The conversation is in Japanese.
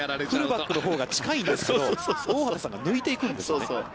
フルバックのほうが近いんですけど、大畑さんが抜いていくんですもんね。